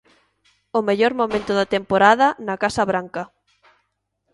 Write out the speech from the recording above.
O mellor momento da temporada na casa branca.